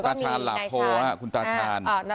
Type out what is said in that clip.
ขุงตาชานละโพขุ่นตาชาน